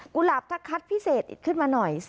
หลาบถ้าคัดพิเศษอีกขึ้นมาหน่อย